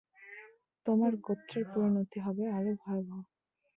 তোমার গোত্রের পরিণতি হবে আরো ভয়াবহ।